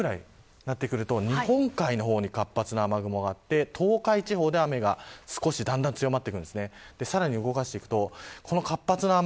今日の夜０時くらいになってくると日本海の方に活発な雨雲があって東海地方で雨がだんだん強まってきます。